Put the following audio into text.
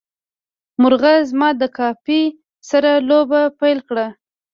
مرغه زما د کافي سره لوبه پیل کړه.